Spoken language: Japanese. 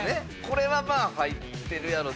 これはまあ入ってるやろ。